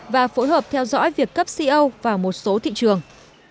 và phối hợp theo dõi việc cấp co vào một số thị trường